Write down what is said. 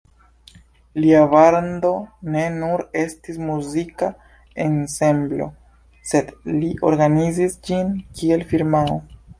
Lia bando ne nur estis muzika ensemblo, sed li organizis ĝin kiel firmao.